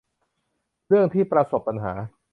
เรื่องที่ประสบปัญหา